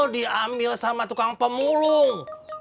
diambil sama tukang pemulung